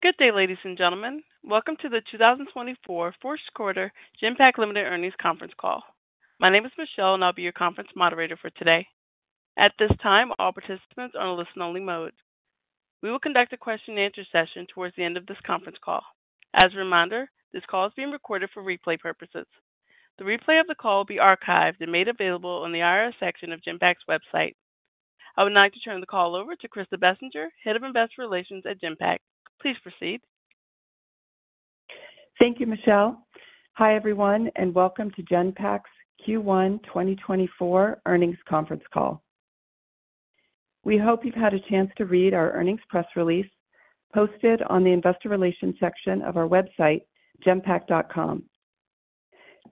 Good day, ladies and gentlemen. Welcome to the 2024 first quarter Genpact Limited Earnings Conference Call. My name is Michelle, and I'll be your conference moderator for today. At this time, all participants are in a listen-only mode. We will conduct a question-and-answer session toward the end of this conference call. As a reminder, this call is being recorded for replay purposes. The replay of the call will be archived and made available on the IR section of Genpact's website. I would like to turn the call over to Krista Bessinger, Head of Investor Relations at Genpact. Please proceed. Thank you, Michelle. Hi, everyone, and welcome to Genpact's Q1 2024 Earnings Conference Call. We hope you've had a chance to read our earnings press release posted on the Investor Relations section of our website, genpact.com.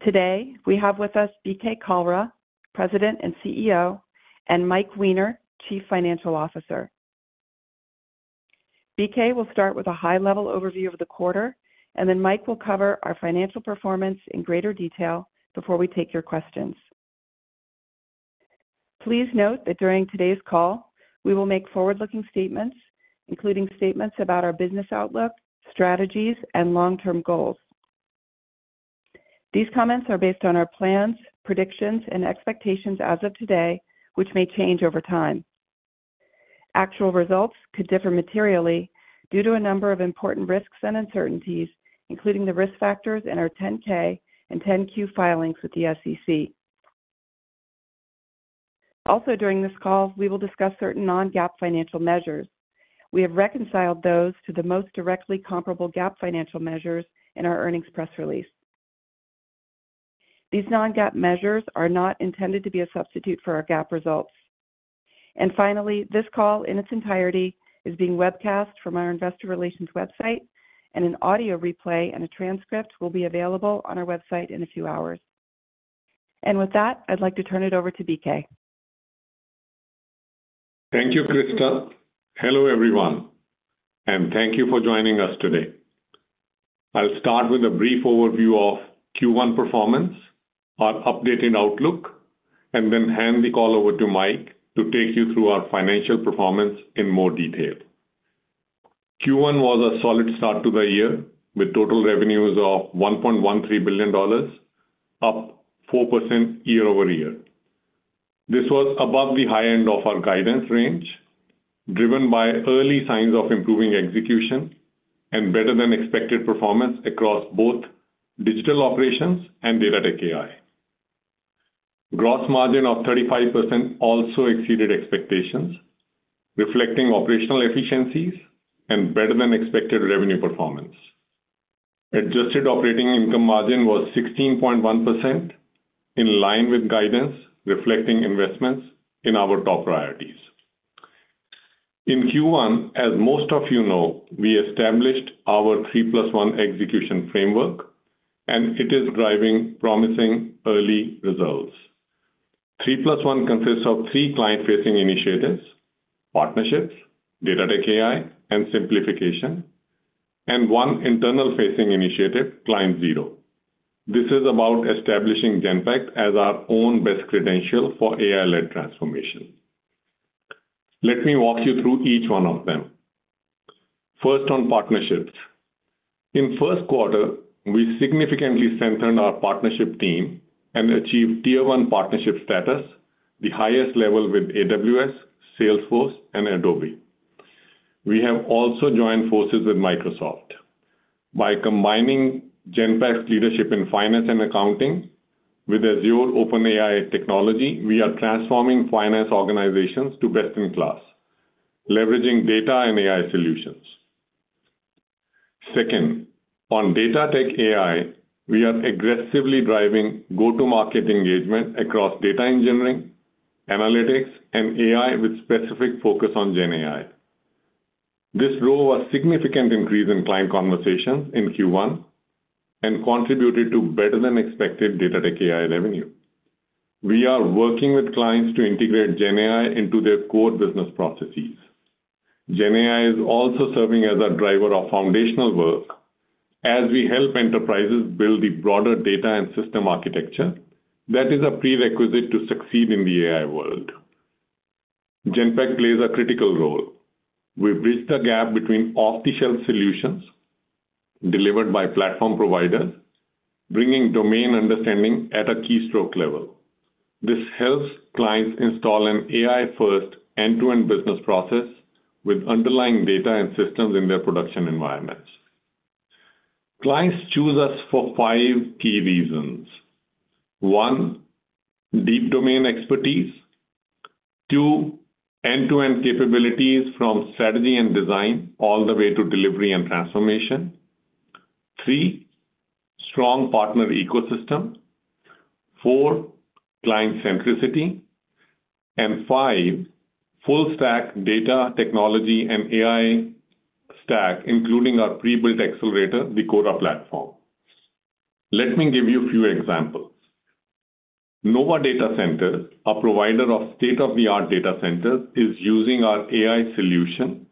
Today, we have with us BK Kalra, President and CEO, and Mike Weiner, Chief Financial Officer. BK will start with a high-level overview of the quarter, and then Mike will cover our financial performance in greater detail before we take your questions. Please note that during today's call, we will make forward-looking statements, including statements about our business outlook, strategies, and long-term goals. These comments are based on our plans, predictions, and expectations as of today, which may change over time. Actual results could differ materially due to a number of important risks and uncertainties, including the risk factors in our 10-K and 10-Q filings with the SEC. Also, during this call, we will discuss certain non-GAAP financial measures. We have reconciled those to the most directly comparable GAAP financial measures in our earnings press release. These non-GAAP measures are not intended to be a substitute for our GAAP results. Finally, this call in its entirety is being webcast from our Investor Relations website, and an audio replay and a transcript will be available on our website in a few hours. With that, I'd like to turn it over to BK. Thank you, Krista. Hello, everyone, and thank you for joining us today. I'll start with a brief overview of Q1 performance, our updated outlook, and then hand the call over to Mike to take you through our financial performance in more detail. Q1 was a solid start to the year with total revenues of $1.13 billion, up 4% year-over-year. This was above the high end of our guidance range, driven by early signs of improving execution and better-than-expected performance across both Digital Operations and Data-Tech-AI. Gross margin of 35% also exceeded expectations, reflecting operational efficiencies and better-than-expected revenue performance. Adjusted operating income margin was 16.1%, in line with guidance reflecting investments in our top priorities. In Q1, as most of you know, we established our 3+1 Execution Framework, and it is driving promising early results. 3+1 consists of three client-facing initiatives: partnerships, Data-Tech-AI, and simplification, and one internal-facing initiative, Client Zero. This is about establishing Genpact as our own best credential for AI-led transformation. Let me walk you through each one of them. First, on partnerships. In first quarter, we significantly strengthened our partnership team and achieved Tier 1 partnership status, the highest level with AWS, Salesforce, and Adobe. We have also joined forces with Microsoft. By combining Genpact's leadership in finance and accounting with Azure OpenAI technology, we are transforming finance organizations to best-in-class, leveraging data and AI solutions. Second, on data tech AI, we are aggressively driving go-to-market engagement across data engineering, analytics, and AI with a specific focus on GenAI. This role was a significant increase in client conversations in Q1 and contributed to better-than-expected data tech AI revenue. We are working with clients to integrate GenAI into their core business processes. GenAI is also serving as a driver of foundational work as we help enterprises build the broader data and system architecture that is a prerequisite to succeed in the AI world. Genpact plays a critical role. We bridge the gap between off-the-shelf solutions delivered by platform providers, bringing domain understanding at a keystroke level. This helps clients install an AI-first end-to-end business process with underlying data and systems in their production environments. Clients choose us for five key reasons: 1) Deep domain expertise. 2) End-to-end capabilities from strategy and design all the way to delivery and transformation. 3) Strong partner ecosystem. 4) Client centricity. And 5) Full-stack data, technology, and AI stack, including our pre-built accelerator, the Cora platform. Let me give you a few examples. Novva Data Centers, a provider of state-of-the-art data centers, is using our AI solution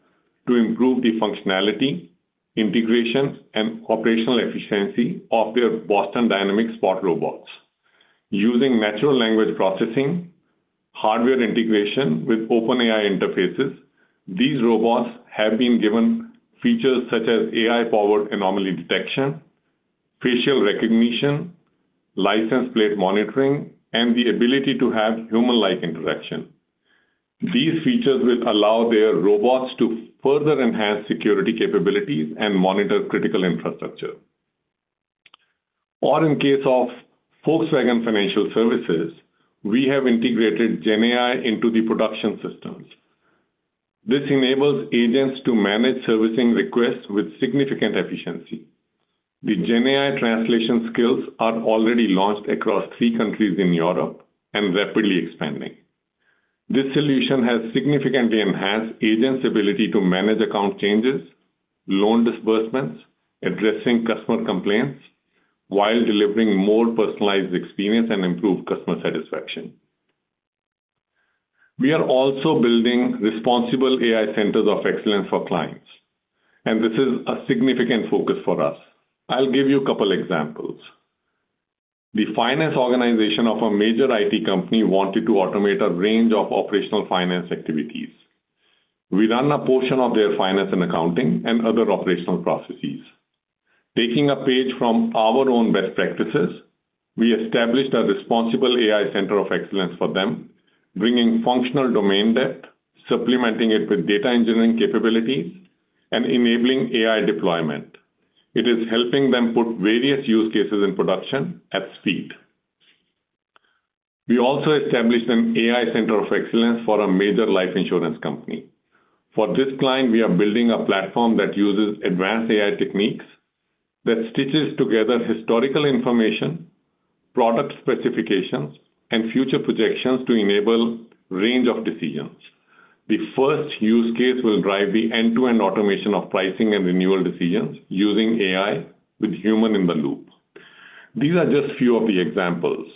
to improve the functionality, integration, and operational efficiency of their Boston Dynamics Spot robots. Using natural language processing, hardware integration with OpenAI interfaces, these robots have been given features such as AI-powered anomaly detection, facial recognition, license plate monitoring, and the ability to have human-like interaction. These features will allow their robots to further enhance security capabilities and monitor critical infrastructure. Or, in case of Volkswagen Financial Services, we have integrated GenAI into the production systems. This enables agents to manage servicing requests with significant efficiency. The GenAI translation skills are already launched across three countries in Europe and rapidly expanding. This solution has significantly enhanced agents' ability to manage account changes, loan disbursements, addressing customer complaints, while delivering more personalized experience and improved customer satisfaction. We are also building responsible AI centers of excellence for clients, and this is a significant focus for us. I'll give you a couple of examples. The finance organization of a major IT company wanted to automate a range of operational finance activities. We run a portion of their finance and accounting and other operational processes. Taking a page from our own best practices, we established a responsible AI center of excellence for them, bringing functional domain depth, supplementing it with data engineering capabilities, and enabling AI deployment. It is helping them put various use cases in production at speed. We also established an AI center of excellence for a major life insurance company. For this client, we are building a platform that uses advanced AI techniques that stitches together historical information, product specifications, and future projections to enable a range of decisions. The first use case will drive the end-to-end automation of pricing and renewal decisions using AI with a human in the loop. These are just a few of the examples.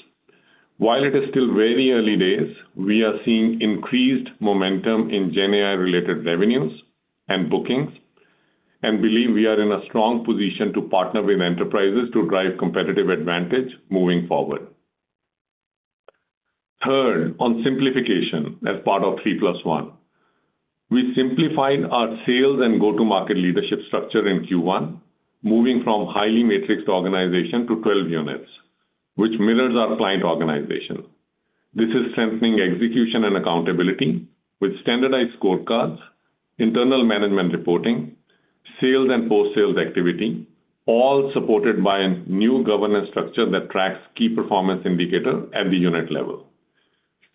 While it is still very early days, we are seeing increased momentum in GenAI-related revenues and bookings, and believe we are in a strong position to partner with enterprises to drive competitive advantage moving forward. Third, on simplification as part of 3+1. We simplified our sales and go-to-market leadership structure in Q1, moving from a highly matrixed organization to 12 units, which mirrors our client organization. This is strengthening execution and accountability with standardized scorecards, internal management reporting, sales and post-sales activity, all supported by a new governance structure that tracks key performance indicators at the unit level.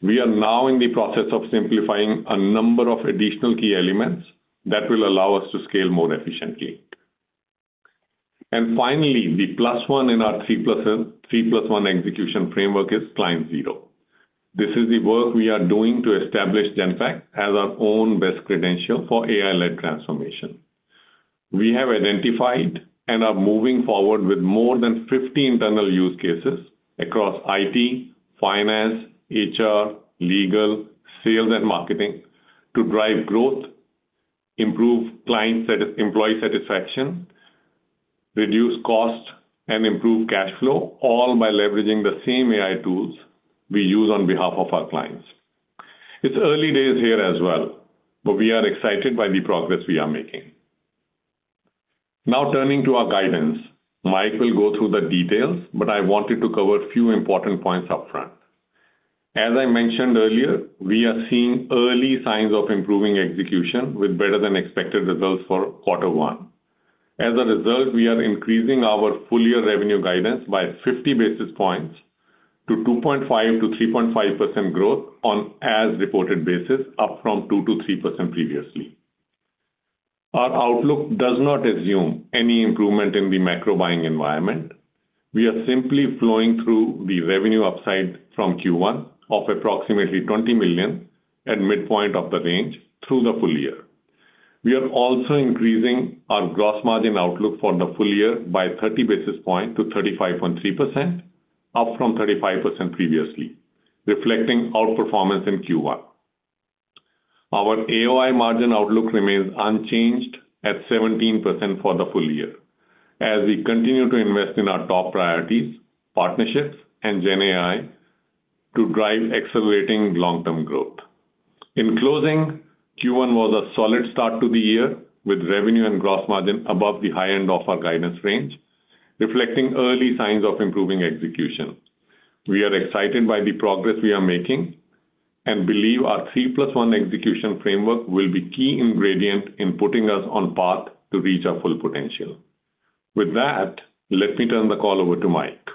We are now in the process of simplifying a number of additional key elements that will allow us to scale more efficiently. Finally, the plus one in our 3+1 Execution Framework is Client Zero. This is the work we are doing to establish Genpact as our own best credential for AI-led transformation. We have identified and are moving forward with more than 50 internal use cases across IT, finance, HR, legal, sales, and marketing to drive growth, improve client employee satisfaction, reduce cost, and improve cash flow, all by leveraging the same AI tools we use on behalf of our clients. It's early days here as well, but we are excited by the progress we are making. Now, turning to our guidance, Mike will go through the details, but I wanted to cover a few important points upfront. As I mentioned earlier, we are seeing early signs of improving execution with better-than-expected results for Q1. As a result, we are increasing our full-year revenue guidance by 50 basis points to 2.5%-3.5% growth on an as-reported basis, up from 2%-3% previously. Our outlook does not assume any improvement in the macro buying environment. We are simply flowing through the revenue upside from Q1 of approximately $20 million at the midpoint of the range through the full year. We are also increasing our gross margin outlook for the full year by 30 basis points to 35.3%, up from 35% previously, reflecting our performance in Q1. Our AOI margin outlook remains unchanged at 17% for the full year as we continue to invest in our top priorities, partnerships, and GenAI to drive accelerating long-term growth. In closing, Q1 was a solid start to the year with revenue and gross margin above the high end of our guidance range, reflecting early signs of improving execution. We are excited by the progress we are making and believe our 3+1 Execution Framework will be a key ingredient in putting us on the path to reach our full potential. With that, let me turn the call over to Mike.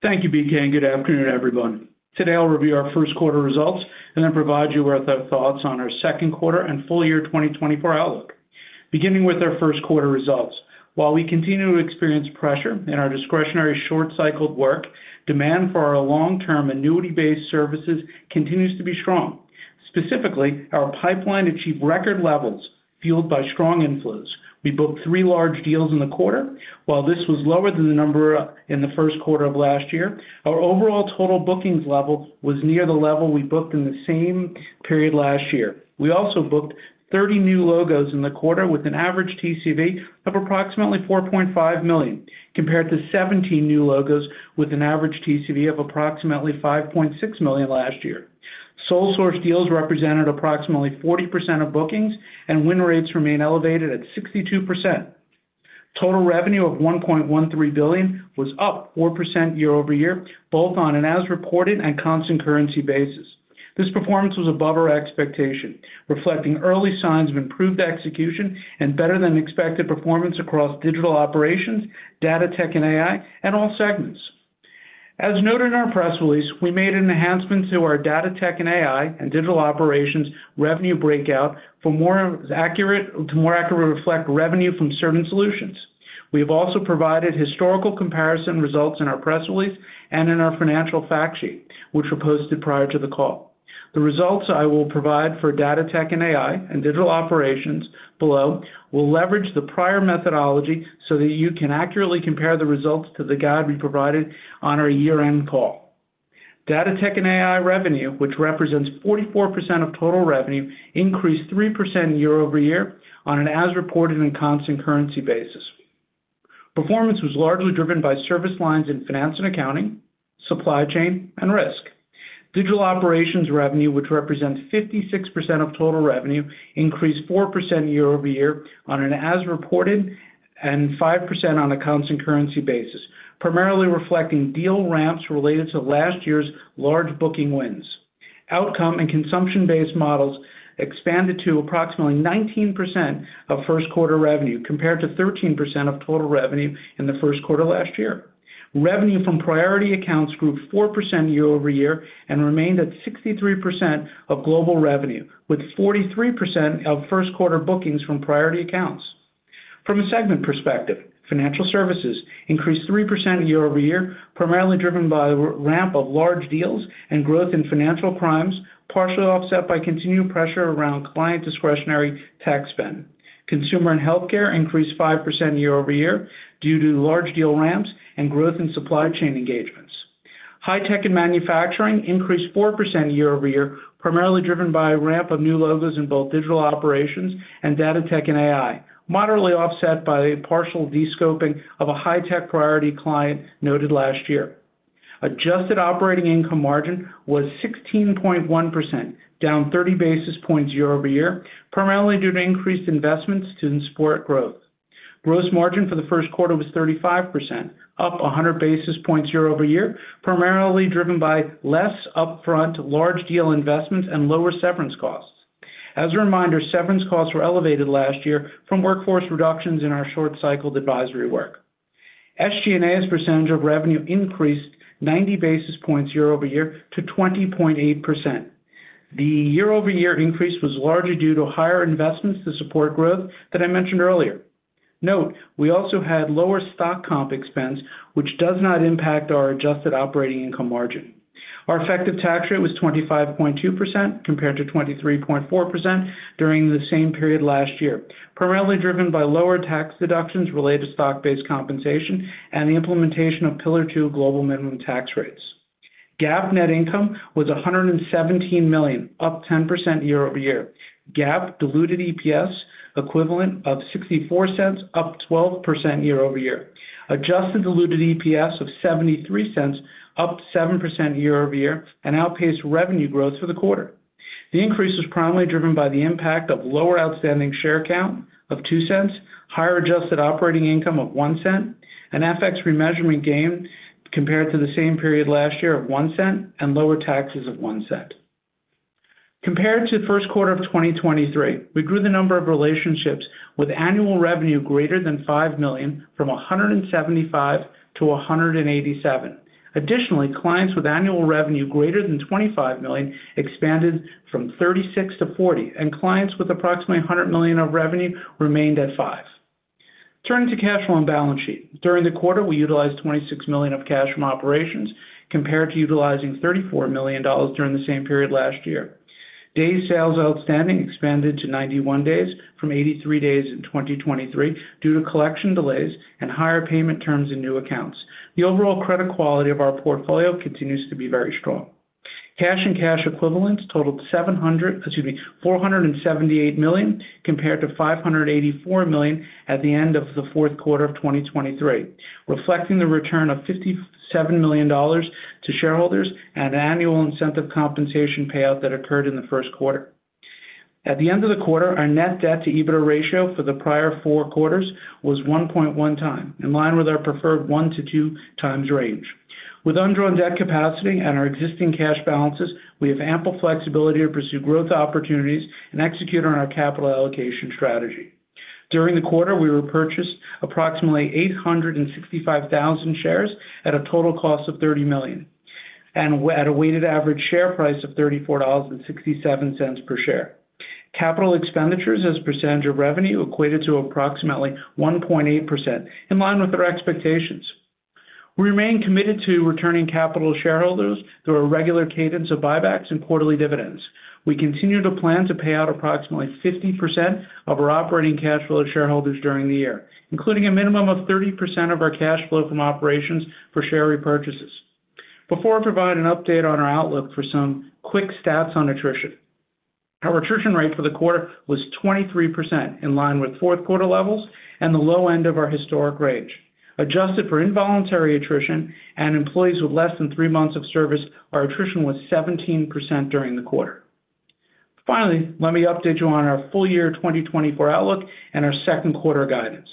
Thank you, BK. Good afternoon, everyone. Today, I will review our first quarter results and then provide you with our thoughts on our second quarter and full year 2024 outlook. Beginning with our first quarter results, while we continue to experience pressure in our discretionary short-cycled work, demand for our long-term annuity-based services continues to be strong. Specifically, our pipeline achieved record levels fueled by strong inflows. We booked 3 large deals in the quarter. While this was lower than the number in the first quarter of last year, our overall total bookings level was near the level we booked in the same period last year. We also booked 30 new logos in the quarter with an average TCV of approximately $4.5 million, compared to 17 new logos with an average TCV of approximately $5.6 million last year. Sole source deals represented approximately 40% of bookings, and win rates remain elevated at 62%. Total revenue of $1.13 billion was up 4% year-over-year, both on an as-reported and constant currency basis. This performance was above our expectation, reflecting early signs of improved execution and better-than-expected performance across Digital Operations, Data Tech and AI, and all segments. As noted in our press release, we made an enhancement to our Data Tech and AI and Digital Operations revenue breakout to more accurately reflect revenue from certain solutions. We have also provided historical comparison results in our press release and in our financial fact sheet, which were posted prior to the call. The results I will provide for Data Tech and AI and Digital Operations below will leverage the prior methodology so that you can accurately compare the results to the guide we provided on our year-end call. Data tech and AI revenue, which represents 44% of total revenue, increased 3% year-over-year on an as-reported and constant currency basis. Performance was largely driven by service lines in finance and accounting, supply chain, and risk. Digital operations revenue, which represents 56% of total revenue, increased 4% year-over-year on an as-reported and 5% on a constant currency basis, primarily reflecting deal ramps related to last year's large booking wins. Outcome and consumption-based models expanded to approximately 19% of first quarter revenue, compared to 13% of total revenue in the first quarter last year. Revenue from priority accounts grew 4% year-over-year and remained at 63% of global revenue, with 43% of first quarter bookings from priority accounts. From a segment perspective, Financial Services increased 3% year-over-year, primarily driven by the ramp of large deals and growth in financial crimes, partially offset by continued pressure around client discretionary tax spend. Consumer and Healthcare increased 5% year-over-year due to large deal ramps and growth in supply chain engagements. High-tech and Manufacturing increased 4% year-over-year, primarily driven by a ramp of new logos in both Digital Operations and Data-Tech-AI, moderately offset by a partial descoping of a high-tech priority client noted last year. Adjusted Operating Income margin was 16.1%, down 30 basis points year-over-year, primarily due to increased investments to support growth. Gross margin for the first quarter was 35%, up 100 basis points year-over-year, primarily driven by less upfront large deal investments and lower severance costs. As a reminder, severance costs were elevated last year from workforce reductions in our short-cycled advisory work. SG&A's percentage of revenue increased 90 basis points year over year to 20.8%. The year-over-year increase was largely due to higher investments to support growth that I mentioned earlier. Note, we also had lower stock comp expense, which does not impact our adjusted operating income margin. Our effective tax rate was 25.2%, compared to 23.4% during the same period last year, primarily driven by lower tax deductions related to stock-based compensation and the implementation of Pillar 2 global minimum tax rates. GAAP net income was $117 million, up 10% year over year. GAAP diluted EPS equivalent of $0.64, up 12% year over year. Adjusted diluted EPS of $0.73, up 7% year over year, and outpaced revenue growth for the quarter. The increase was primarily driven by the impact of lower outstanding share count of $0.02, higher adjusted operating income of $0.01, and FX remeasurement gain compared to the same period last year of $0.01, and lower taxes of $0.01. Compared to the first quarter of 2023, we grew the number of relationships with annual revenue greater than $5 million from 175 to 187. Additionally, clients with annual revenue greater than $25 million expanded from 36 to 40, and clients with approximately $100 million of revenue remained at five. Turning to cash flow and balance sheet. During the quarter, we utilized $26 million of cash from operations, compared to utilizing $34 million during the same period last year. Days' sales outstanding expanded to 91 days from 83 days in 2023 due to collection delays and higher payment terms in new accounts. The overall credit quality of our portfolio continues to be very strong. Cash and cash equivalents totaled $478 million, compared to $584 million at the end of the fourth quarter of 2023, reflecting the return of $57 million to shareholders and an annual incentive compensation payout that occurred in the first quarter. At the end of the quarter, our net debt-to-EBITDA ratio for the prior four quarters was 1.1 times, in line with our preferred 1-2 times range. With undrawn debt capacity and our existing cash balances, we have ample flexibility to pursue growth opportunities and execute on our capital allocation strategy. During the quarter, we repurchased approximately 865,000 shares at a total cost of $30 million and at a weighted average share price of $34.67 per share. Capital expenditures as a percentage of revenue equated to approximately 1.8%, in line with our expectations. We remain committed to returning capital to shareholders through a regular cadence of buybacks and quarterly dividends. We continue to plan to pay out approximately 50% of our operating cash flow to shareholders during the year, including a minimum of 30% of our cash flow from operations for share repurchases. Before I provide an update on our outlook. For some quick stats on attrition. Our attrition rate for the quarter was 23%, in line with fourth quarter levels and the low end of our historic range. Adjusted for involuntary attrition and employees with less than three months of service, our attrition was 17% during the quarter. Finally, let me update you on our full year 2024 outlook and our second quarter guidance.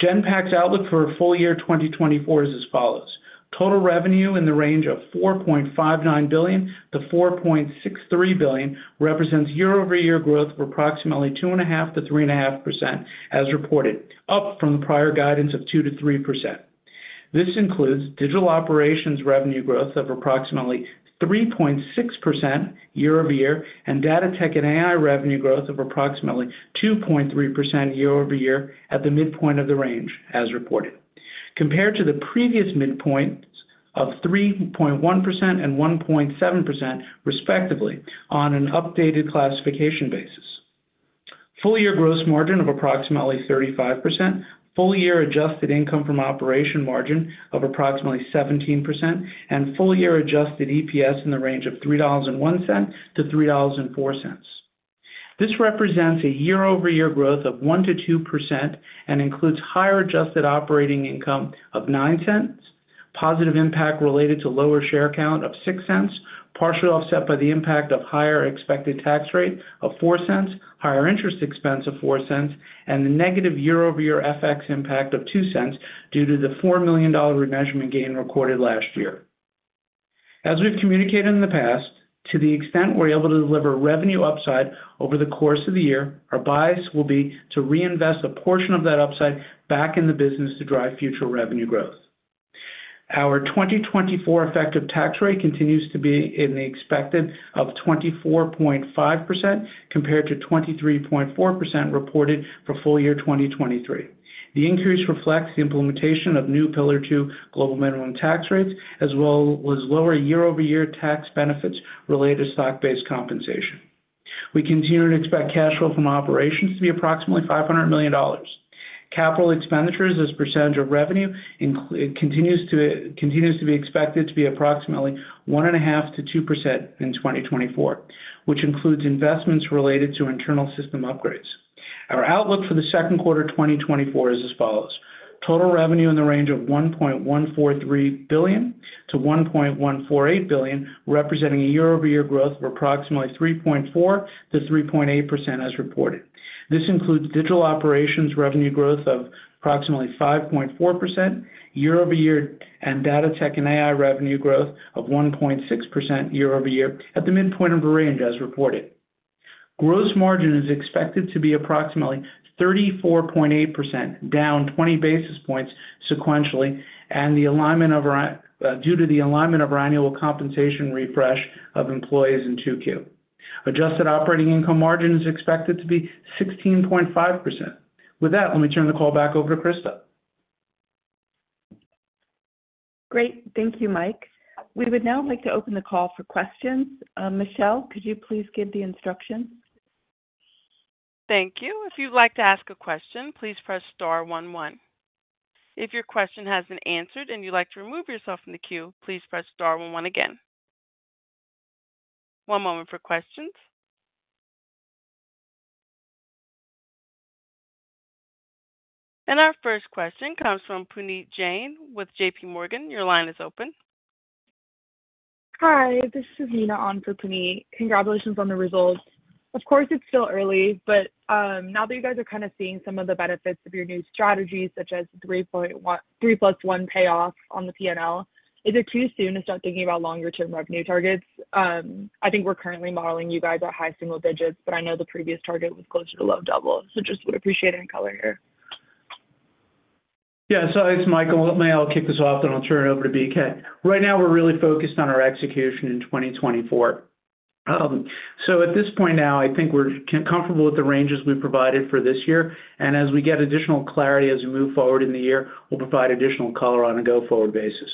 Genpact's outlook for our full year 2024 is as follows. Total revenue in the range of $4.59-$4.63 billion represents year-over-year growth of approximately 2.5%-3.5%, as reported, up from the prior guidance of 2%-3%. This includes digital operations revenue growth of approximately 3.6% year-over-year and data tech and AI revenue growth of approximately 2.3% year-over-year at the midpoint of the range, as reported, Compared to the previous midpoints of 3.1% and 1.7%, respectively, on an updated classification basis. Full year gross margin of approximately 35%, full year adjusted income from operation margin of approximately 17%, and full year adjusted EPS in the range of $3.01-$3.04. This represents a year-over-year growth of 1%-2% and includes higher adjusted operating income of $0.09, positive impact related to lower share count of $0.06, partially offset by the impact of higher expected tax rate of $0.04, higher interest expense of $0.04, and the negative year-over-year FX impact of $0.02 due to the $4 million remeasurement gain recorded last year. As we've communicated in the past, to the extent we're able to deliver revenue upside over the course of the year, our bias will be to reinvest a portion of that upside back in the business to drive future revenue growth. Our 2024 effective tax rate continues to be in the expected of 24.5%, compared to 23.4% reported for full year 2023. The increase reflects the implementation of new Pillar 2 global minimum tax rates, as well as lower year-over-year tax benefits related to stock-based compensation. We continue to expect cash flow from operations to be approximately $500 million. Capital expenditures as a percentage of revenue continues to be expected to be approximately 1.5%-2% in 2024, which includes investments related to internal system upgrades. Our outlook for the second quarter 2024 is as follows. Total revenue in the range of $1.143 billion-$1.148 billion, representing a year-over-year growth of approximately 3.4%-3.8%, as reported. This includes digital operations revenue growth of approximately 5.4%, year-over-year, and data tech and AI revenue growth of 1.6% year over year, at the midpoint of the range, as reported. Gross margin is expected to be approximately 34.8%, down 20 basis points sequentially, due to the alignment of our annual compensation refresh of employees in 2Q. Adjusted operating income margin is expected to be 16.5%. With that, let me turn the call back over to Krista. Great. Thank you, Mike. We would now like to open the call for questions. Michelle, could you please give the instructions? Thank you. If you'd like to ask a question, please press star 11. If your question has been answered and you'd like to remove yourself from the queue, please press star 11 again. One moment for questions. And our first question comes from Puneet Jain with JPMorgan. Your line is open. Hi. This is Nina on for Puneet. Congratulations on the results. Of course, it's still early, but now that you guys are kind of seeing some of the benefits of your new strategies, such as 3+1 payoff on the P&L, is it too soon to start thinking about longer-term revenue targets? I think we're currently modeling you guys at high single digits, but I know the previous target was closer to low double, so just would appreciate any color here. Yeah. So it's Michael. Let me kick this off, then I'll turn it over to BK. Right now, we're really focused on our execution in 2024. So at this point now, I think we're comfortable with the ranges we've provided for this year. As we get additional clarity as we move forward in the year, we'll provide additional color on a go-forward basis.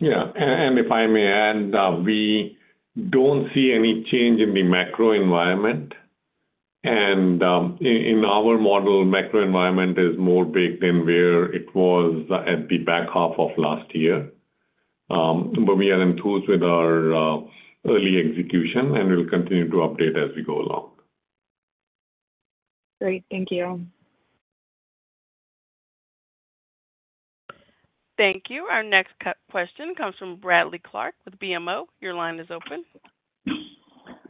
Yeah. If I may add, we don't see any change in the macro environment. In our model, macro environment is more baked in where it was at the back half of last year. But we are enthused with our early execution, and we'll continue to update as we go along. Great. Thank you. Thank you. Our next question comes from Bradley Clark with BMO. Your line is open.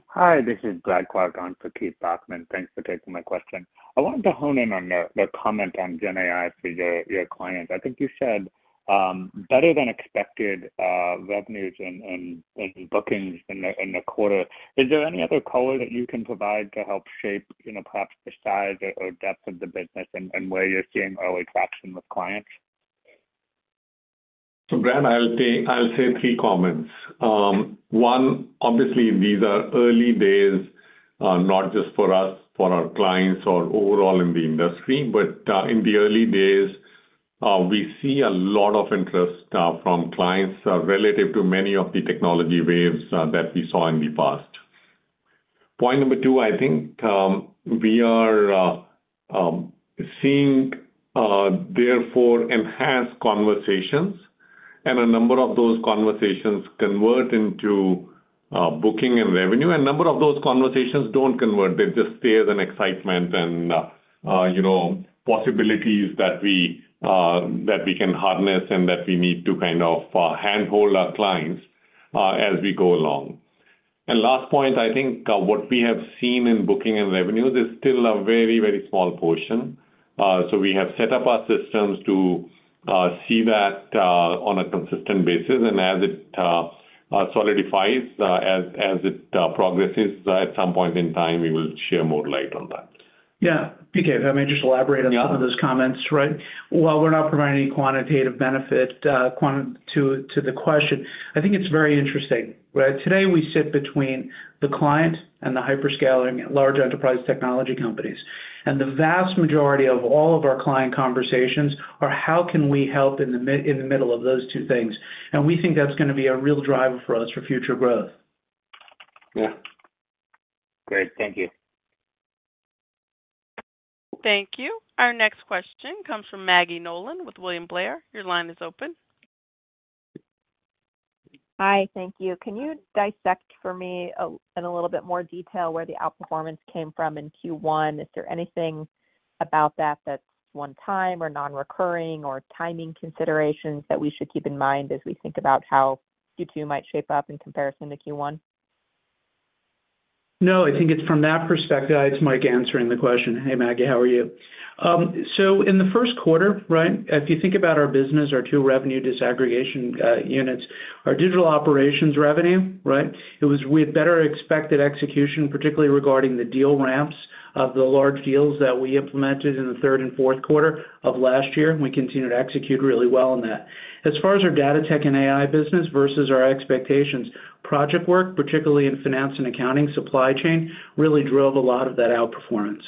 Hi. This is Bradley Clark on for Keith Bachman. Thanks for taking my question. I wanted to hone in on the comment on GenAI for your clients. I think you said better than expected revenues and bookings in the quarter. Is there any other color that you can provide to help shape perhaps the size or depth of the business and where you're seeing early traction with clients? So Brad, I'll say three comments. One, obviously, these are early days, not just for us, for our clients, or overall in the industry. In the early days, we see a lot of interest from clients relative to many of the technology waves that we saw in the past. Point number two, I think we are seeing, therefore, enhanced conversations. A number of those conversations convert into booking and revenue. A number of those conversations don't convert. There just stays an excitement and possibilities that we can harness and that we need to kind of handhold our clients as we go along. Last point, I think what we have seen in booking and revenues is still a very, very small portion. So we have set up our systems to see that on a consistent basis. As it solidifies, as it progresses, at some point in time, we will share more light on that. Yeah. BK, if I may just elaborate on some of those comments, right? While we're not providing any quantitative benefit to the question, I think it's very interesting, right? Today, we sit between the client and the hyperscalers, large enterprise technology companies. And the vast majority of all of our client conversations are how can we help in the middle of those two things? And we think that's going to be a real driver for us for future growth. Yeah. Great. Thank you. Thank you. Our next question comes from Maggie Nolan with William Blair. Your line is open. Hi. Thank you. Can you dissect for me in a little bit more detail where the outperformance came from in Q1? Is there anything about that that's one-time or non-recurring or timing considerations that we should keep in mind as we think about how Q2 might shape up in comparison to Q1? No. I think it's from that perspective, it's Mike answering the question. Hey, Maggie, how are you? So in the first quarter, right, if you think about our business, our two revenue disaggregation units, our Digital Operations revenue, right, we had better expected execution, particularly regarding the deal ramps of the large deals that we implemented in the third and fourth quarter of last year. We continued to execute really well in that. As far as our data tech and AI business versus our expectations, project work, particularly in finance and accounting, supply chain, really drove a lot of that outperformance.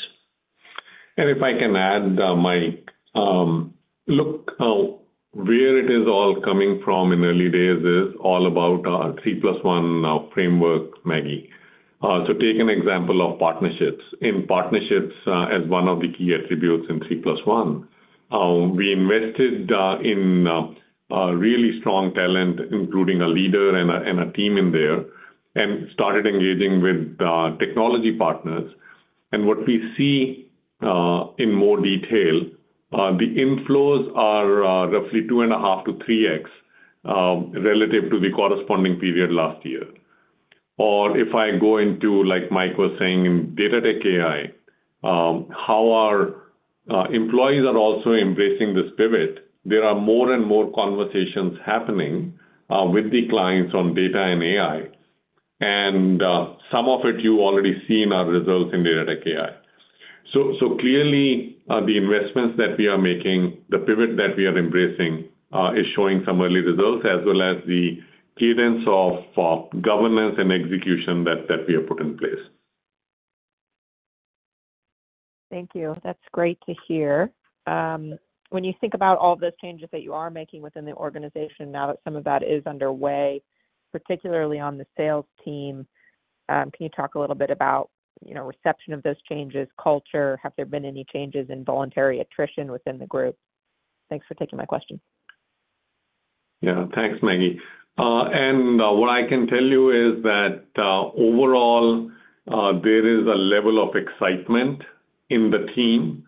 If I can add, Mike, where it is all coming from in early days is all about our 3+1 framework, Maggie. So take an example of partnerships. In partnerships, as one of the key attributes in 3+1, we invested in really strong talent, including a leader and a team in there, and started engaging with technology partners. And what we see in more detail, the inflows are roughly 2.5x-3x relative to the corresponding period last year. Or if I go into, like Mike was saying, in data tech AI, how our employees are also embracing this pivot, there are more and more conversations happening with the clients on data and AI. And some of it you already see in our results in data tech AI.Clearly, the investments that we are making, the pivot that we are embracing is showing some early results, as well as the cadence of governance and execution that we have put in place. Thank you. That's great to hear. When you think about all of those changes that you are making within the organization, now that some of that is underway, particularly on the sales team, can you talk a little bit about reception of those changes, culture? Have there been any changes in voluntary attrition within the group? Thanks for taking my question. Yeah. Thanks, Maggie. And what I can tell you is that overall, there is a level of excitement in the team,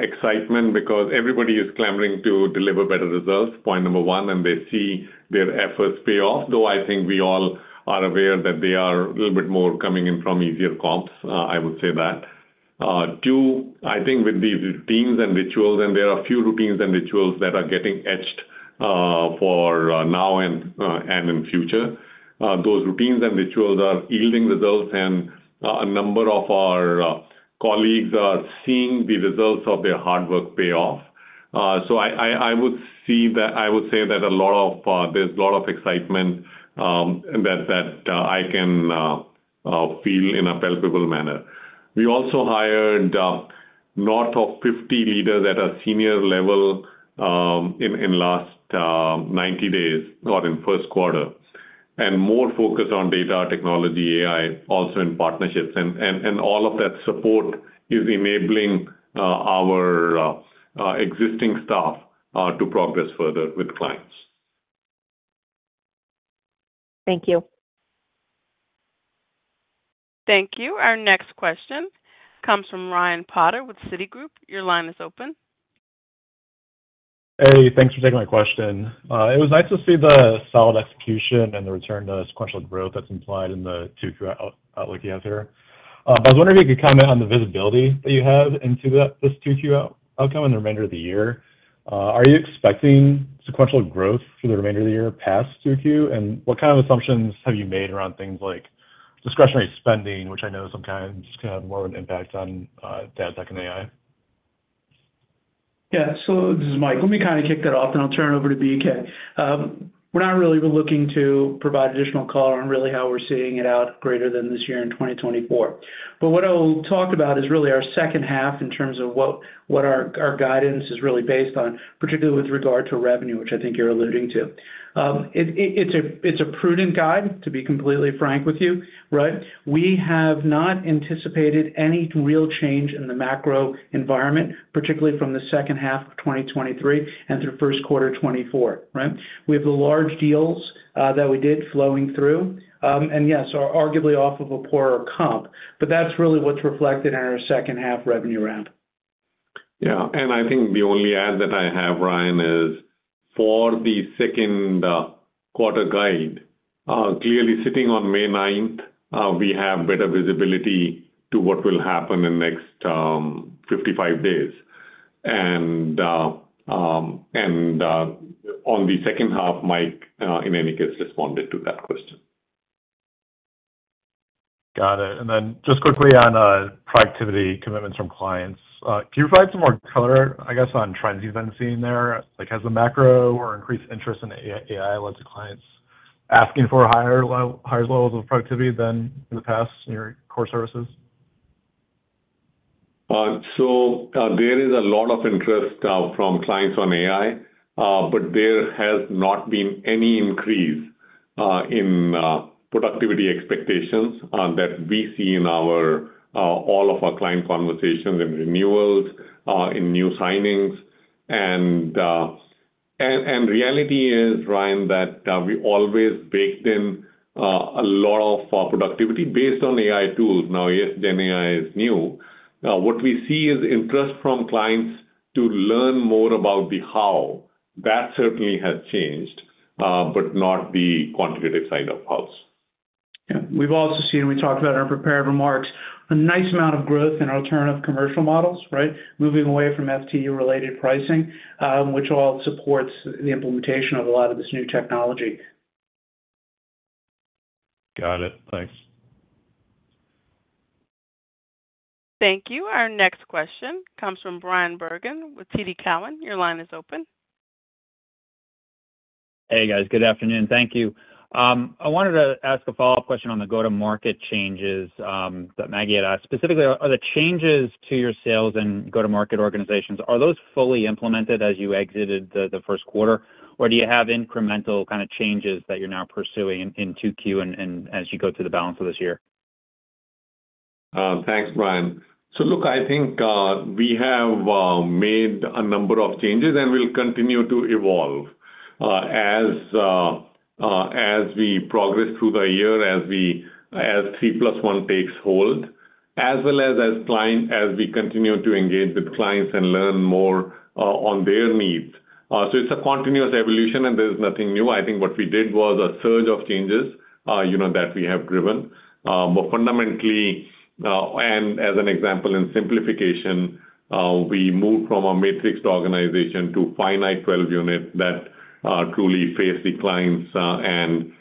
excitement because everybody is clamoring to deliver better results, point number one, and they see their efforts pay off, though I think we all are aware that they are a little bit more coming in from easier comps. I would say that. Two, I think with these routines and rituals, and there are a few routines and rituals that are getting etched for now and in the future, those routines and rituals are yielding results, and a number of our colleagues are seeing the results of their hard work pay off. So I would see that I would say that a lot of there's a lot of excitement that I can feel in a palpable manner. We also hired north of 50 leaders at a senior level in the last 90 days or in the first quarter, and more focus on data, technology, AI, also in partnerships. All of that support is enabling our existing staff to progress further with clients. Thank you. Thank you. Our next question comes from Ryan Potter with Citigroup. Your line is open. Hey. Thanks for taking my question. It was nice to see the solid execution and the return to sequential growth that's implied in the 2Q outlook you have here. But I was wondering if you could comment on the visibility that you have into this 2Q outcome and the remainder of the year. Are you expecting sequential growth for the remainder of the year past 2Q? And what kind of assumptions have you made around things like discretionary spending, which I know some clients can have more of an impact on data tech and AI? Yeah. So this is Mike. Let me kind of kick that off, and I'll turn it over to BK. We're not really looking to provide additional color on really how we're seeing it out greater than this year in 2024. But what I'll talk about is really our second half in terms of what our guidance is really based on, particularly with regard to revenue, which I think you're alluding to. It's a prudent guide, to be completely frank with you, right? We have not anticipated any real change in the macro environment, particularly from the second half of 2023 and through first quarter 2024, right? We have the large deals that we did flowing through. And yes, arguably off of a poorer comp, but that's really what's reflected in our second half revenue ramp. Yeah. And I think the only add that I have, Ryan, is for the second quarter guide, clearly sitting on May 9th, we have better visibility to what will happen in the next 55 days. And on the second half, Mike, in any case, responded to that question. Got it. And then just quickly on productivity commitments from clients, can you provide some more color, I guess, on trends you've been seeing there? Has the macro or increased interest in AI led to clients asking for higher levels of productivity than in the past in your core services? There is a lot of interest from clients on AI, but there has not been any increase in productivity expectations that we see in all of our client conversations and renewals, in new signings. Reality is, Ryan, that we always baked in a lot of productivity based on AI tools. Now, yes, GenAI is new. What we see is interest from clients to learn more about the how. That certainly has changed, but not the quantitative side of how's. Yeah. We've also seen, and we talked about in our prepared remarks, a nice amount of growth in alternative commercial models, right, moving away from FTE-related pricing, which all supports the implementation of a lot of this new technology. Got it. Thanks. Thank you. Our next question comes from Bryan Bergin with TD Cowen. Your line is open. Hey, guys. Good afternoon. Thank you. I wanted to ask a follow-up question on the go-to-market changes that Maggie had asked. Specifically, are the changes to your sales and go-to-market organizations, are those fully implemented as you exited the first quarter, or do you have incremental kind of changes that you're now pursuing in 2Q and as you go through the balance of this year? Thanks, Brian. So look, I think we have made a number of changes and will continue to evolve as we progress through the year, as 3+1 takes hold, as well as we continue to engage with clients and learn more on their needs. So it's a continuous evolution, and there's nothing new. I think what we did was a surge of changes that we have driven. But fundamentally, and as an example in simplification, we moved from a matrix organization to finite 12 units that truly face clients and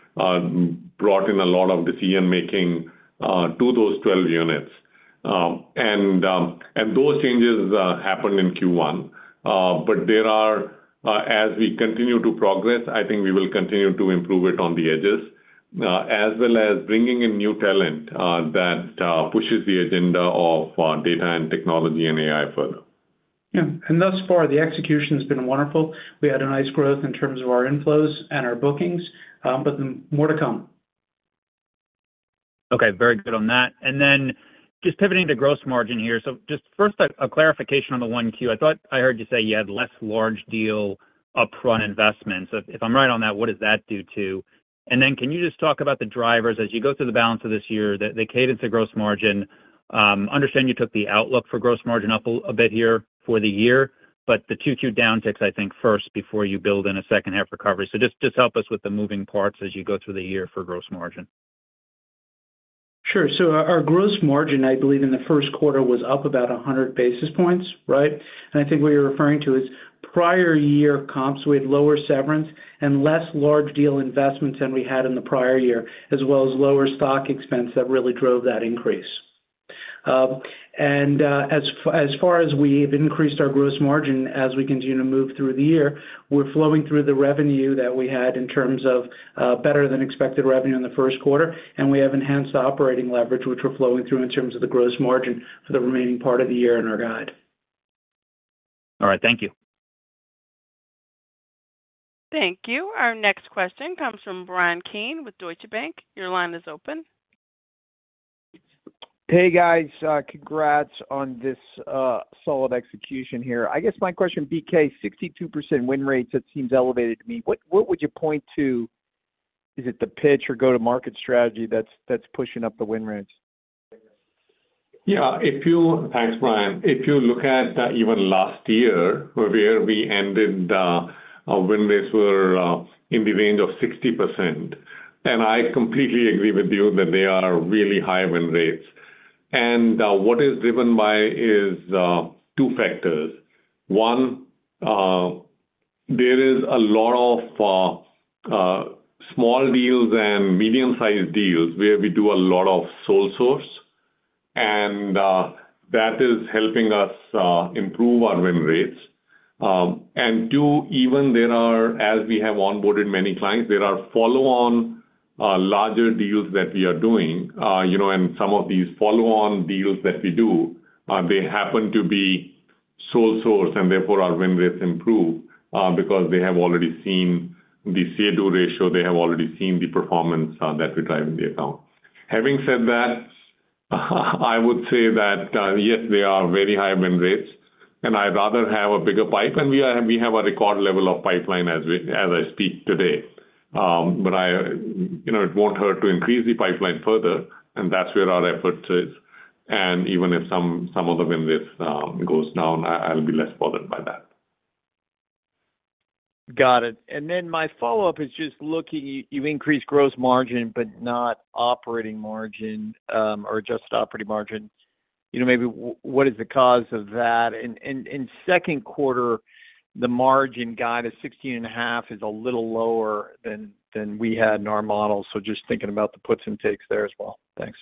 brought in a lot of decision-making to those 12 units. And those changes happened in Q1. But as we continue to progress, I think we will continue to improve it on the edges, as well as bringing in new talent that pushes the agenda of data and technology and AI further. Yeah. Thus far, the execution has been wonderful. We had a nice growth in terms of our inflows and our bookings, but more to come. Okay. Very good on that. And then just pivoting to gross margin here. So just first, a clarification on the 1Q. I thought I heard you say you had less large deal upfront investments. If I'm right on that, what does that do to? And then can you just talk about the drivers as you go through the balance of this year, the cadence of gross margin? Understand you took the outlook for gross margin up a bit here for the year, but the 2Q downticks, I think, first before you build in a second half recovery. So just help us with the moving parts as you go through the year for gross margin. Sure. So our gross margin, I believe, in the first quarter was up about 100 basis points, right? And I think what you're referring to is prior year comps. We had lower severance and less large deal investments than we had in the prior year, as well as lower stock expense that really drove that increase. And as far as we have increased our gross margin as we continue to move through the year, we're flowing through the revenue that we had in terms of better than expected revenue in the first quarter. And we have enhanced operating leverage, which we're flowing through in terms of the gross margin for the remaining part of the year in our guide. All right. Thank you. Thank you. Our next question comes from Bryan Keane with Deutsche Bank. Your line is open. Hey, guys. Congrats on this solid execution here. I guess my question, BK, 62% win rates, it seems elevated to me. What would you point to? Is it the pitch or go-to-market strategy that's pushing up the win rates? Yeah. Thanks, Brian. If you look at even last year, where we ended, our win rates were in the range of 60%. I completely agree with you that they are really high win rates. What is driven by is two factors. One, there is a lot of small deals and medium-sized deals where we do a lot of sole source. And that is helping us improve our win rates. Two, even there are, as we have onboarded many clients, there are follow-on larger deals that we are doing. And some of these follow-on deals that we do, they happen to be sole source, and therefore, our win rates improve because they have already seen the Say-Do ratio. They have already seen the performance that we drive in the account. Having said that, I would say that, yes, they are very high win rates. I'd rather have a bigger pipe. We have a record level of pipeline as I speak today. But it won't hurt to increase the pipeline further. That's where our efforts is. Even if some of the win rates go down, I'll be less bothered by that. Got it. And then my follow-up is just looking, you've increased gross margin, but not operating margin or adjusted operating margin. Maybe what is the cause of that? And in second quarter, the margin guide at 16.5% is a little lower than we had in our model. So just thinking about the puts and takes there as well. Thanks.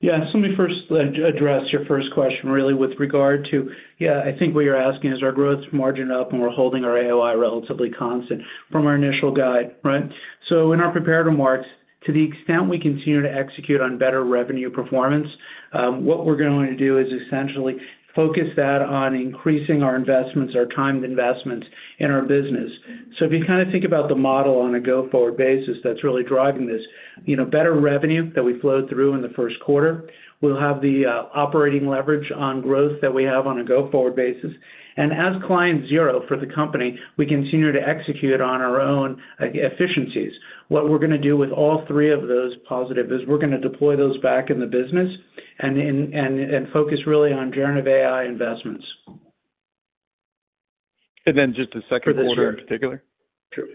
Yeah. So let me first address your first question, really, with regard to, yeah, I think what you're asking is our growth margin up, and we're holding our AOI relatively constant from our initial guide, right? So in our prepared remarks, to the extent we continue to execute on better revenue performance, what we're going to do is essentially focus that on increasing our investments, our timed investments in our business. So if you kind of think about the model on a go-forward basis that's really driving this, better revenue that we flow through in the first quarter, we'll have the operating leverage on growth that we have on a go-forward basis. And as client zero for the company, we continue to execute on our own efficiencies. What we're going to do with all three of those positive is we're going to deploy those back in the business and focus really on generative AI investments. And then just the second quarter in particular? Sure.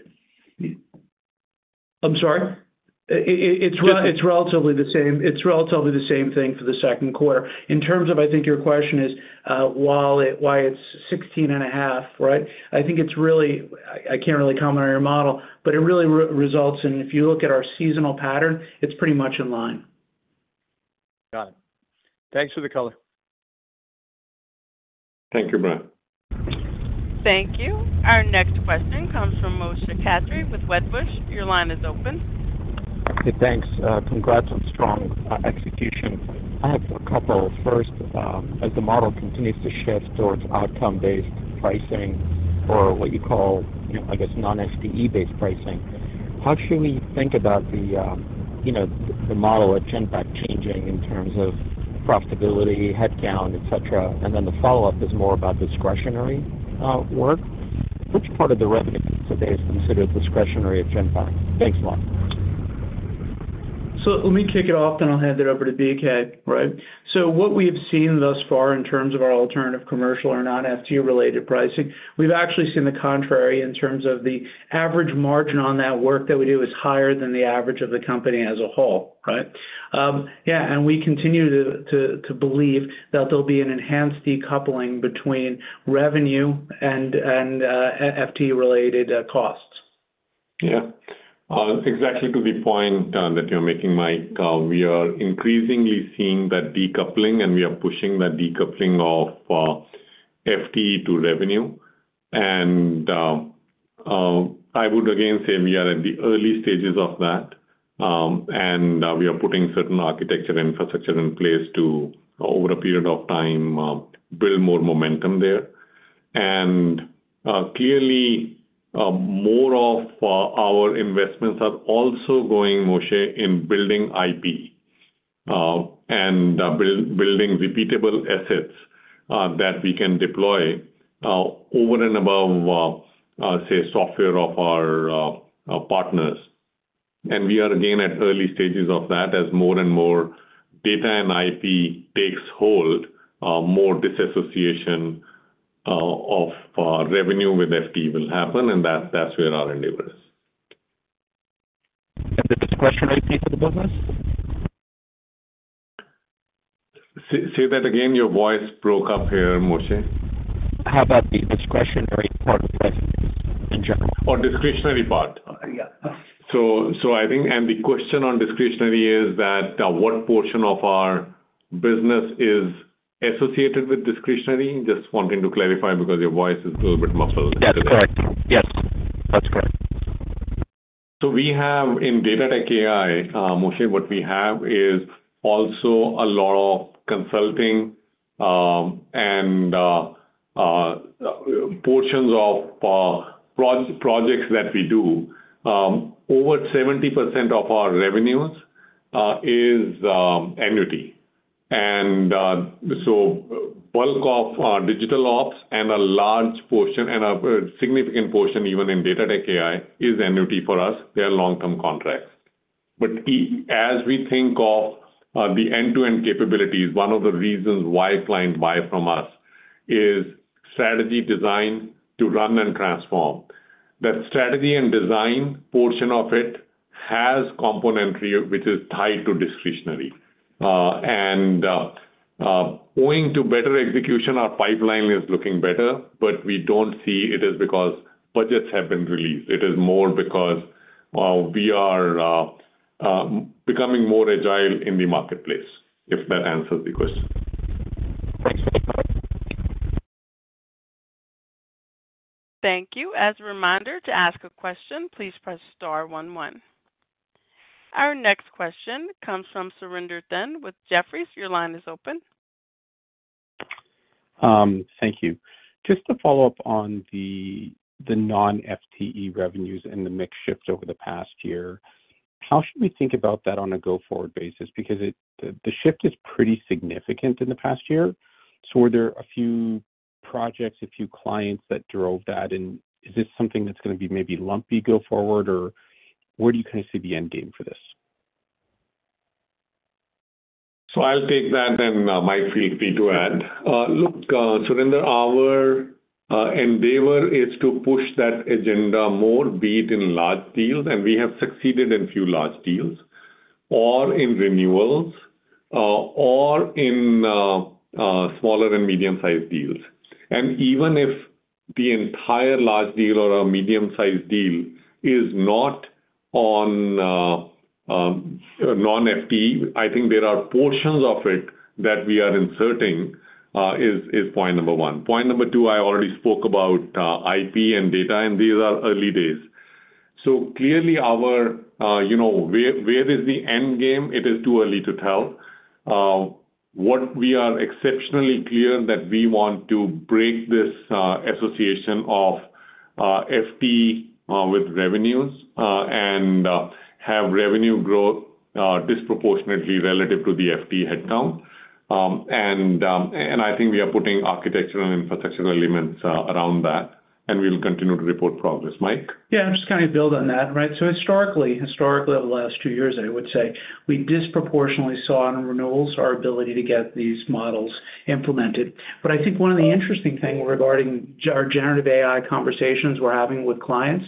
I'm sorry. It's relatively the same. It's relatively the same thing for the second quarter. In terms of, I think your question is, why it's 16.5, right? I think it's really I can't really comment on your model, but it really results in, if you look at our seasonal pattern, it's pretty much in line. Got it. Thanks for the color. Thank you, Brian. Thank you. Our next question comes from Moshe Katri with Wedbush. Your line is open. Hey, thanks. Congrats on strong execution. I have a couple. First, as the model continues to shift towards outcome-based pricing or what you call, I guess, non-FTE-based pricing, how should we think about the model at Genpact changing in terms of profitability, headcount, etc.? And then the follow-up is more about discretionary work. Which part of the revenue today is considered discretionary at Genpact? Thanks, Mike. So let me kick it off, then I'll hand it over to BK, right? So what we have seen thus far in terms of our alternative commercial or non-FTE-related pricing, we've actually seen the contrary in terms of the average margin on that work that we do is higher than the average of the company as a whole, right? Yeah. And we continue to believe that there'll be an enhanced decoupling between revenue and FTU-related costs. Yeah. Exactly to the point that you're making, Mike. We are increasingly seeing that decoupling, and we are pushing that decoupling of FTU to revenue. And I would again say we are at the early stages of that. And we are putting certain architecture infrastructure in place to, over a period of time, build more momentum there. And clearly, more of our investments are also going, Moshe, in building IP and building repeatable assets that we can deploy over and above, say, software of our partners. And we are again at early stages of that. As more and more data and IP takes hold, more disassociation of revenue with FTU will happen. And that's where our endeavor is. The discretionary piece of the business? Say that again. Your voice broke up here, Moshe. How about the discretionary part of revenues in general? Oh, discretionary part. So I think and the question on discretionary is that what portion of our business is associated with discretionary? Just wanting to clarify because your voice is a little bit muffled today. Yes. Correct. Yes. That's correct. So in Data-Tech-AI, Moshe, what we have is also a lot of consulting and portions of projects that we do. Over 70% of our revenues is annuity. And so bulk of Digital Ops and a large portion and a significant portion even in Data-Tech-AI is annuity for us. They are long-term contracts. But as we think of the end-to-end capabilities, one of the reasons why clients buy from us is strategy design to run and transform. That strategy and design portion of it has componentry which is tied to discretionary. And owing to better execution, our pipeline is looking better, but we don't see it is because budgets have been released. It is more because we are becoming more agile in the marketplace, if that answers the question. Thanks, Brian. Thank you. As a reminder, to ask a question, please press star 11. Our next question comes from Surinder Thind with Jefferies. Your line is open. Thank you. Just to follow up on the non-FTE revenues and the mix shift over the past year, how should we think about that on a go-forward basis? Because the shift is pretty significant in the past year. So were there a few projects, a few clients that drove that? And is this something that's going to be maybe lumpy go-forward, or where do you kind of see the endgame for this? So I'll take that, and Mike will be to add. Look, Surinder, our endeavor is to push that agenda more, be it in large deals, and we have succeeded in a few large deals, or in renewals, or in smaller and medium-sized deals. And even if the entire large deal or a medium-sized deal is not on non-FTE, I think there are portions of it that we are inserting. Is point number one. Point number two, I already spoke about IP and data, and these are early days. So clearly, where is the endgame? It is too early to tell. What we are exceptionally clear that we want to break this association of FTE with revenues and have revenue growth disproportionately relative to the FTE headcount. And I think we are putting architectural and infrastructural elements around that. And we'll continue to report progress, Mike. Yeah. I'm just kind of building on that, right? So historically, over the last two years, I would say we disproportionately saw in renewals our ability to get these models implemented. But I think one of the interesting things regarding our generative AI conversations we're having with clients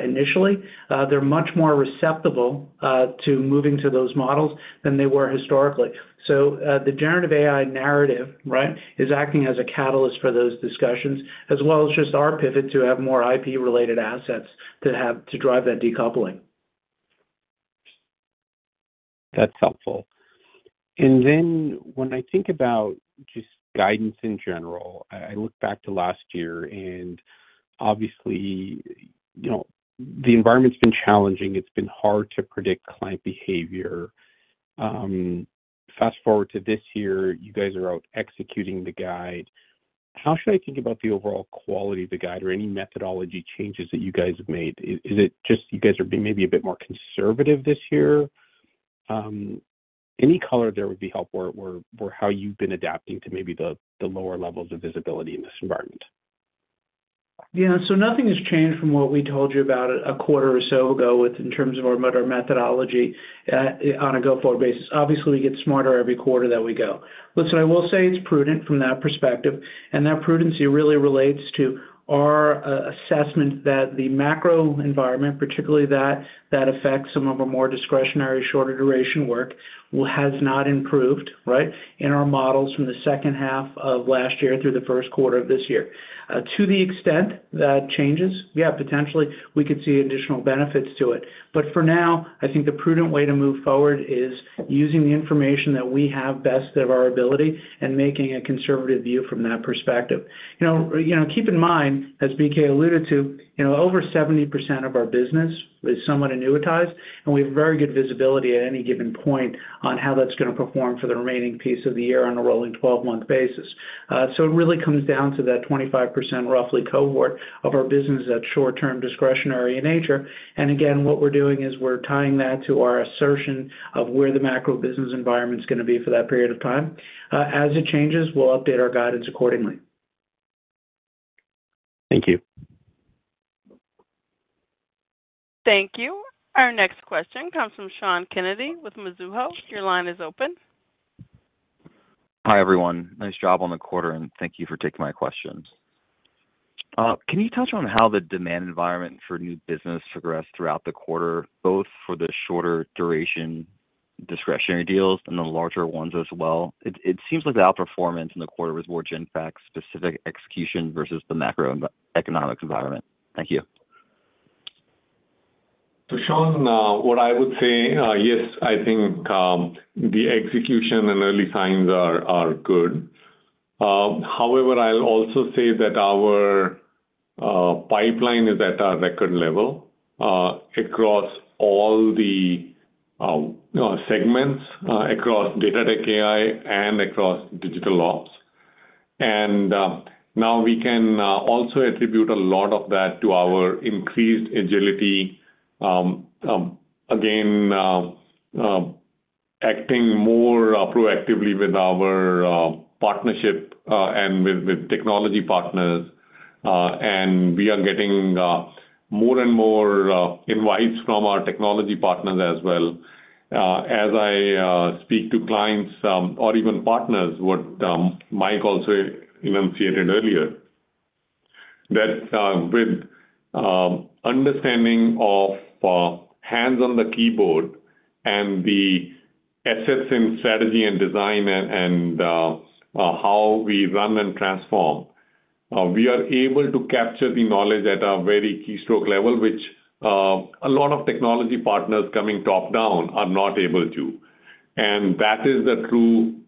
initially, they're much more receptive to moving to those models than they were historically. So the generative AI narrative, right, is acting as a catalyst for those discussions, as well as just our pivot to have more IP-related assets to drive that decoupling. That's helpful. And then when I think about just guidance in general, I look back to last year, and obviously, the environment's been challenging. It's been hard to predict client behavior. Fast forward to this year, you guys are out executing the guide. How should I think about the overall quality of the guide or any methodology changes that you guys have made? Is it just you guys are maybe a bit more conservative this year? Any color there would be helpful for how you've been adapting to maybe the lower levels of visibility in this environment. Yeah. So nothing has changed from what we told you about a quarter or so ago in terms of our methodology on a go-forward basis. Obviously, we get smarter every quarter that we go. Listen, I will say it's prudent from that perspective. And that prudency really relates to our assessment that the macro environment, particularly that affects some of our more discretionary, shorter-duration work, has not improved, right, in our models from the second half of last year through the first quarter of this year. To the extent that changes, yeah, potentially, we could see additional benefits to it. But for now, I think the prudent way to move forward is using the information that we have best of our ability and making a conservative view from that perspective. Keep in mind, as BK alluded to, over 70% of our business is somewhat annuitized. And we have very good visibility at any given point on how that's going to perform for the remaining piece of the year on a rolling 12-month basis. So it really comes down to that 25% roughly cohort of our business that's short-term, discretionary in nature. And again, what we're doing is we're tying that to our assertion of where the macro business environment's going to be for that period of time. As it changes, we'll update our guidance accordingly. Thank you. Thank you. Our next question comes from Sean Kennedy with Mizuho. Your line is open. Hi, everyone. Nice job on the quarter, and thank you for taking my questions. Can you touch on how the demand environment for new business progressed throughout the quarter, both for the shorter-duration discretionary deals and the larger ones as well? It seems like the outperformance in the quarter was more Genpact-specific execution versus the macroeconomic environment. Thank you. So Sean, what I would say, yes, I think the execution and early signs are good. However, I'll also say that our pipeline is at a record level across all the segments, across Data-Tech-AI and across digital ops. And now we can also attribute a lot of that to our increased agility, again, acting more proactively with our partnership and with technology partners. And we are getting more and more invites from our technology partners as well. As I speak to clients or even partners, what Mike also enunciated earlier, that with understanding of hands on the keyboard and the assets in strategy and design and how we run and transform, we are able to capture the knowledge at a very keystroke level, which a lot of technology partners coming top-down are not able to. And that is the true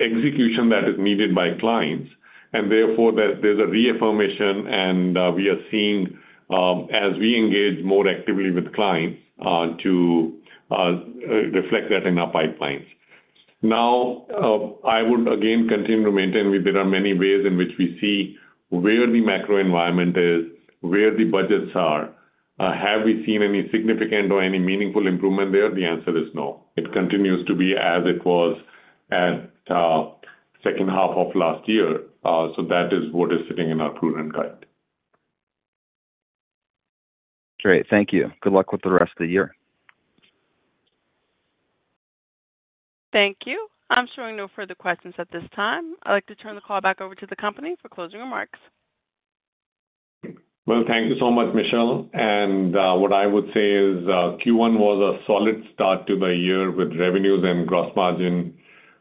execution that is needed by clients. Therefore, there's a reaffirmation, and we are seeing, as we engage more actively with clients, to reflect that in our pipelines. Now, I would again continue to maintain there are many ways in which we see where the macro environment is, where the budgets are. Have we seen any significant or any meaningful improvement there? The answer is no. It continues to be as it was at second half of last year. That is what is sitting in our prudent guide. Great. Thank you. Good luck with the rest of the year. Thank you. I'm showing no further questions at this time. I'd like to turn the call back over to the company for closing remarks. Well, thank you so much, Michelle. What I would say is Q1 was a solid start to the year with revenues and gross margin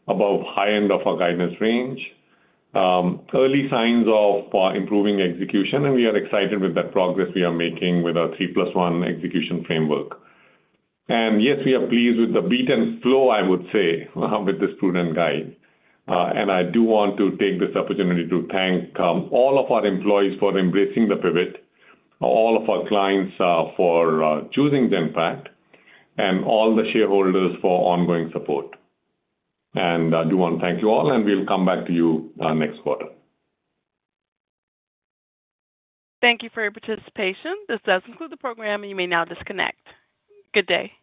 above high end of our guidance range, early signs of improving execution. We are excited with that progress we are making with our 3+1 Execution Framework. Yes, we are pleased with the beat and flow, I would say, with this prudent guide. I do want to take this opportunity to thank all of our employees for embracing the pivot, all of our clients for choosing Genpact, and all the shareholders for ongoing support. I do want to thank you all, and we'll come back to you next quarter. Thank you for your participation. This does conclude the program, and you may now disconnect. Good day.